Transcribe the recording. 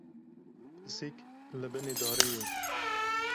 Pisîk li binê darê ye.